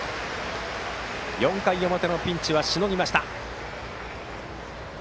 ４回の表のピンチはしのぎました。